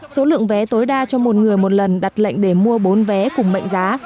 số lượng vé tối đa cho một người một lần đặt lệnh để mua bốn vé cùng mệnh giá